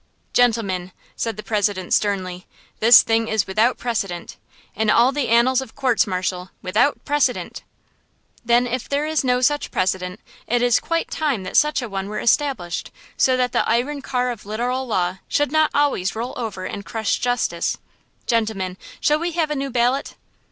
"Gentlemen," said the President sternly, "this thing is without precedent! In all the annals of courts martial, without precedent!" "Then if there is no such precedent, it is quite time that such a one were established, so that the iron car of literal law should not always roll over and crush justice! Gentlemen, shall we have a new ballot?"